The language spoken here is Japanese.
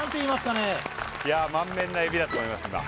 いや満面の笑みだと思います